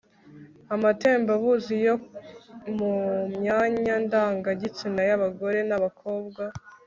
amatembabuzi yo mu myanya ndangagitsina y'abagore n'abakobwa